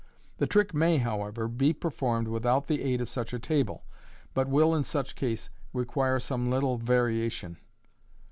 The trick may, however, MODERN MAGIC. in be performed without the aid of such a table, but will, in such case, require some little variation.